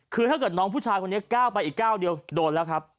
คือถ้าเกิดน้องผู้ชายคนนี้ก้าวไปอีกก้าวเดียวโดนแล้วครับ